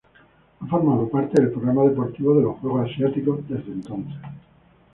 Ha formado parte del programa deportivo de los Juegos Asiáticos desde entonces.